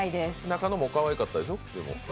中野もかわいかったでしょ。